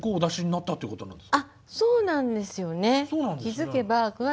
あっそうなんですよね。